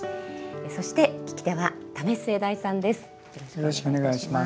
そして聞き手は為末大さんです。